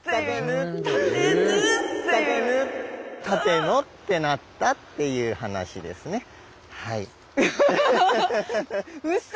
立野ってなったっていう話ですね。